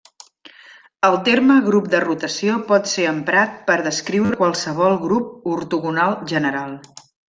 El terme grup de rotació pot ser emprat per descriure qualsevol grup ortogonal general.